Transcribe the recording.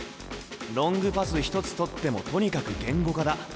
ロングパス一つとってもとにかく言語化だ。